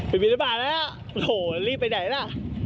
ไปบินทะบาทแล้วโถรีบไปไหนล่ะ